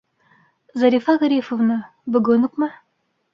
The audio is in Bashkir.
-Зарифа Ғарифовна, бөгөн үкме?